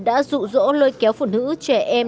đã rụ rỗ lơi kéo phụ nữ trẻ em